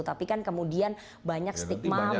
tapi kan kemudian banyak stigma banyak ucap